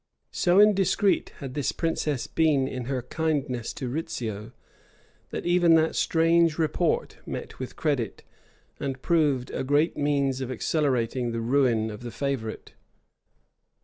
[] So indiscreet had this princess been in her kindness to Rizzio, that even that strange report met with credit, and proved a great means of accelerating the ruin of the favorite.